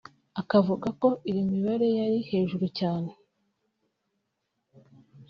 Akavuga ko iyo mibare yari hejuru cyane